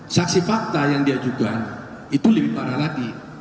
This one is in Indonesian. saksi fakta yang diajukan itu lebih parah lagi